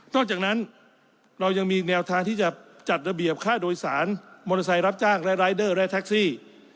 จากนั้นเรายังมีแนวทางที่จะจัดระเบียบค่าโดยสารมอเตอร์ไซค์รับจ้างและรายเดอร์และแท็กซี่